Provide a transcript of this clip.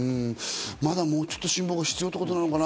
まだもうちょっと辛抱が必要なのかな？